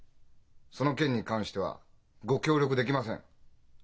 その件に関してはご協力できません。